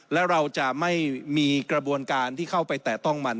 แล้วเราจะไม่มีกระบวนการที่เข้าไปแตะต้องมัน